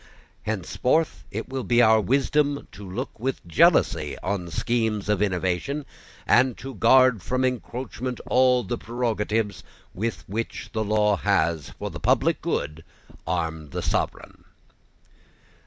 Henceforth it will be our wisdom to look with jealousy on schemes of innovation, and to guard from encroachment all the prerogatives with which the law has, for the public good, armed the sovereign."